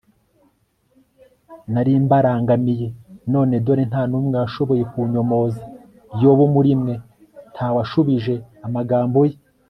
nari mbarangamiye. none dore nta n'umwe washoboye kunyomoza yobu, muri mwe nta washubije amagambo ye